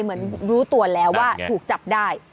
เหมือนรู้ตัวแล้วว่าถูกจับได้